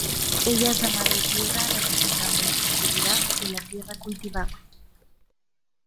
Ella es la madre Tierra representando la fertilidad de la tierra cultivada.